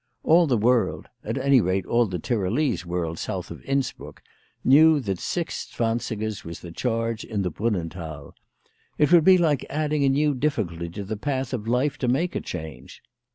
All the world, at any rate all the Tyrolese world south of Innsbruck, knew that six zwansigers was the charge in the Brunnenthal. It would be like adding a new difficulty to the path of life to make a change.